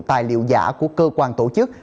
tài liệu giả của cơ quan tổ chức